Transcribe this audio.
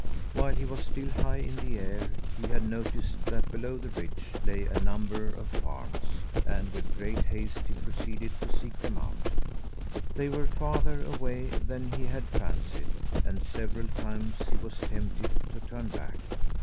While he was still high in the air, he had noticed that below the ridge lay a number of farms, and with great haste he proceeded to seek them out. They were farther away than he had fancied and several times he was tempted to turn back.